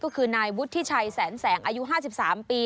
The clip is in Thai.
ก็คือนายวุฒิชัยแสนแสงอายุ๕๓ปี